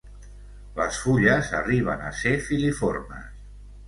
Les fulles arriben a ser filiformes.